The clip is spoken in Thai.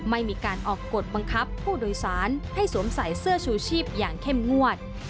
ไม่มีการออกกฎบังคับผู้โดยสารให้สวมใส่เสื้อชูชีพอย่างเข้มงวด